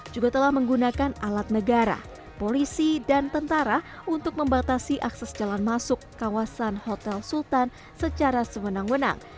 juga telah menggunakan alat negara polisi dan tentara untuk membatasi akses jalan masuk kawasan hotel sultan secara sewenang wenang